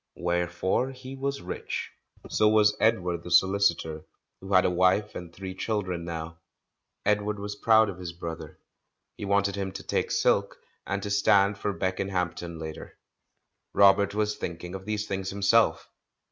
Wherefore he was rich. So was Edward the so licitor, who had a wife and three children now. Edward was proud of his brother; he wanted him to take silk, and to stand for Beckenhampton later. Robert was thinking of these things him self.